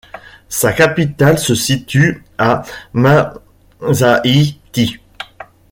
Sa capitale se situe à Masaïti.